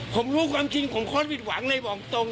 ผมรู้ความจริงผมโค้ดผิดหวังเลยบอกตรง